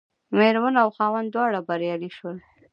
مېرمن او خاوند دواړه بریالي شول.